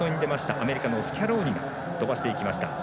アメリカのスキャローニ飛ばしていきました。